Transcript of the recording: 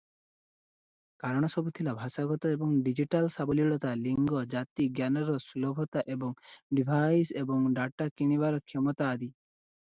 କାରଣସବୁ ଥିଲା ଭାଷାଗତ ଏବଂ ଡିଜିଟାଲ ସାବଲୀଳତା, ଲିଙ୍ଗ, ଜାତି, ଜ୍ଞାନର ସୁଲଭତା ଏବଂ ଡିଭାଇସ ଏବଂ ଡାଟା କିଣିବାର କ୍ଷମତା ଆଦି ।